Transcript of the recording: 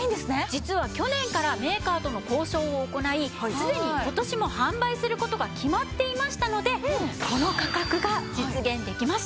実は去年からメーカーとの交渉を行いすでに今年も販売する事が決まっていましたのでこの価格が実現できました！